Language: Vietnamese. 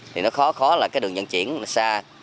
thì nó khó khó là cái đường dân chuyển xa